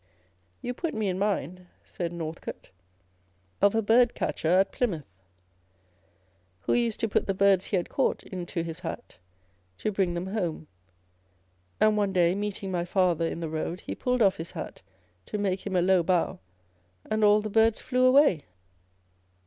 " You put me in mind/' said Northcote, u of a birdcatcher at Plymouth, who used to put the birds he had caught into his hat to bring them home, and one day meeting my father in the road, he pulled off his hat to make him a low bow, and all the birds flew away